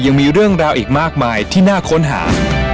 ยังมีเรื่องราวอีกมากมายที่น่าค้นหา